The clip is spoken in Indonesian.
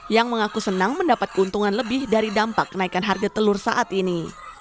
yang mengaku senang mendapat keuntungan lebih dari dampak kenaikan harga telur saat ini